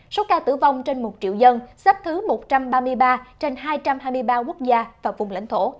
số ca tử vong trên một triệu dân xếp thứ một trăm ba mươi ba trên hai trăm hai mươi ba quốc gia và vùng lãnh thổ